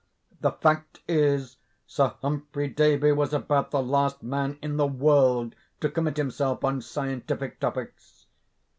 The fact is, Sir Humphrey Davy was about the last man in the world to commit himself on scientific topics.